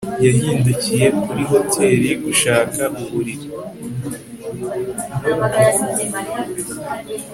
Yahindukiye kuri hoteri gushaka uburiri